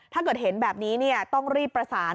ถ้าเกิดเห็นแบบนี้ต้องรีบประสาน